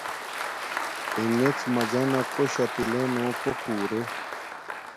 اݵݣݵڎ مَجَنݳ کݸ شَتِلݺ نݸ کݸ کُݸݸرݺ.